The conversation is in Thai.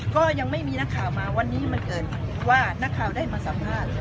ก็ยังไม่มีนักข่าวมาวันนี้มันเกิดว่านักข่าวได้มาสัมภาษณ์